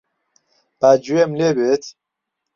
با گوێم لێ بێت.